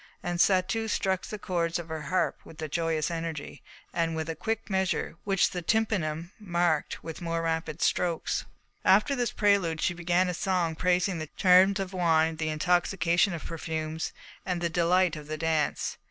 And Satou struck the cords of her harp with joyous energy, and with a quick measure which the tympanum marked with more rapid strokes. After this prelude she began a song praising the charms of wine, the intoxication of perfumes, and the delight of the dance.